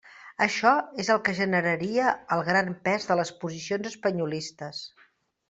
Això és el que generaria el gran pes de les posicions «espanyolistes».